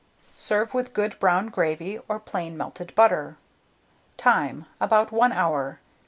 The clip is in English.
Serve with good brown gravy, or plain melted butter. Time. About 1 hour.